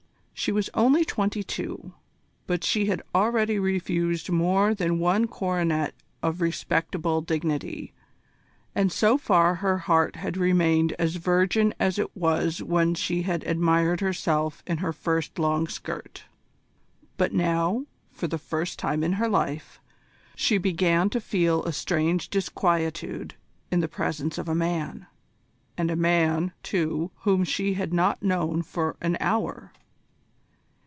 She was only twenty two, but she had already refused more than one coronet of respectable dignity, and so far her heart had remained as virgin as it was when she had admired herself in her first long skirt. But now, for the first time in her life, she began to feel a strange disquietude in the presence of a man, and a man, too, whom she had not known for an hour.